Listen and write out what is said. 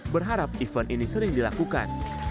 berharap event ini sering dilakukan